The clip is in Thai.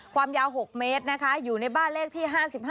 ความยาว๖เมตรนะคะอยู่ในบ้านเลขที่๕๕